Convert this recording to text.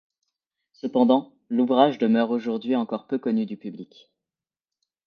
Cependant, l’ouvrage demeure aujourd’hui encore peu connu du public.